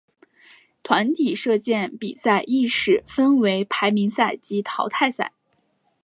团体射箭比赛亦是分为排名赛及淘汰赛。